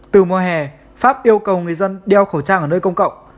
từ mùa hè pháp yêu cầu người dân đeo khẩu trang ở nơi công cộng